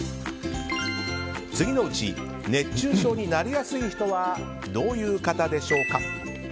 次のうち熱中症になりやすい人はどういう方でしょうか。